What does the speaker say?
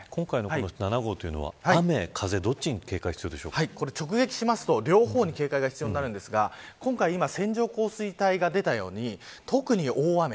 今回の７号というのは雨、風どっちに直撃しますと両方に警戒が必要になるんですが今回、線状降水帯が出たように特に大雨。